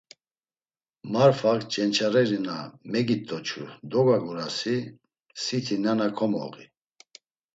Marfak cenç̌areri na megit̆oçu dogagurusi siti nena komoği.